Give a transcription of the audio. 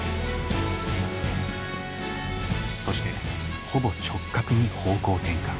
そしてほぼ直角に方向転換。